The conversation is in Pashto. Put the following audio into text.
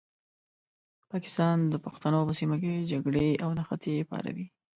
پاکستان د پښتنو په سیمه کې جګړې او نښتې پاروي.